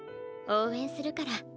応援するから。